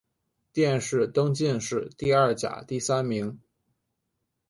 殿试登进士第二甲第三名。